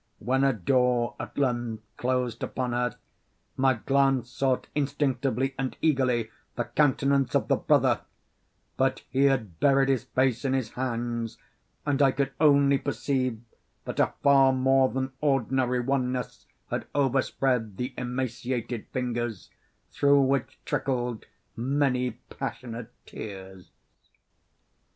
When a door, at length, closed upon her, my glance sought instinctively and eagerly the countenance of the brother—but he had buried his face in his hands, and I could only perceive that a far more than ordinary wanness had overspread the emaciated fingers through which trickled many passionate tears.